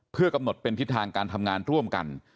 เพื่อกำหนดเป็นทิศทางการทำงานร่วมกัน